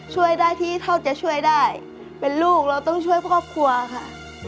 ช่วยได้ที่เท่าจะช่วยได้เป็นลูกเราต้องช่วยครอบครัวค่ะ